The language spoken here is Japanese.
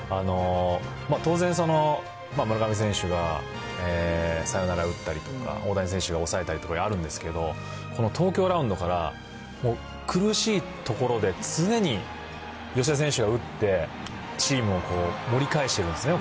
当然、村上選手がサヨナラ打ったりとか、大谷選手が抑えたりとかあるんですけど、この東京ラウンドから、もう苦しいところで常に吉田選手が打って、チームをこう、盛り返してるんですね。